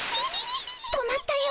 止まったよ。